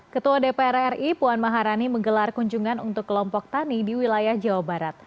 ketua dpr ri puan maharani menggelar kunjungan untuk kelompok tani di wilayah jawa barat